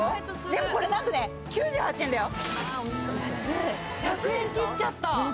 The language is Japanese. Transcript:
でもこれ何とね９８円だよ。